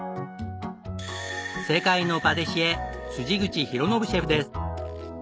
世界のパティシエ口博啓シェフです。